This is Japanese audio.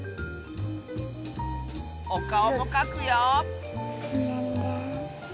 おかおもかくよ！